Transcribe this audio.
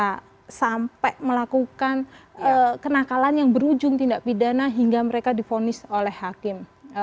karena mereka sudah sampai melakukan kenakalan yang berujung tindak pidana hingga mereka difonis oleh hakim